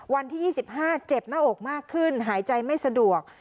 วันที่๒๕เจ็บหน้าอกมากขึ้นหายใจไม่สะดวก